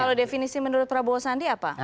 kalau definisi menurut prabowo sandi apa